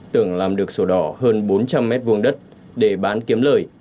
tưởng làm được sổ đỏ hơn bốn trăm linh mét vuông đất để bán kiếm lời